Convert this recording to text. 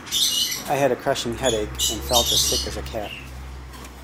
I had a crushing headache, and felt as sick as a cat.